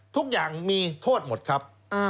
ทุกอย่างมีโทษหมดครับ